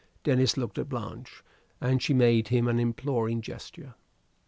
Denis looked at Blanche, and she made him an imploring gesture.